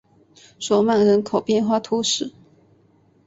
索曼人口变化图示